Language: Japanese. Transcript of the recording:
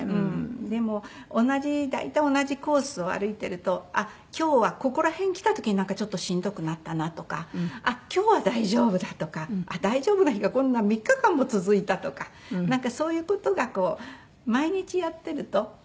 でも大体同じコースを歩いてるとあっ今日はここら辺来た時にちょっとしんどくなったなとかあっ今日は大丈夫だとか大丈夫な日が今度は３日間も続いたとかそういう事が毎日やってると。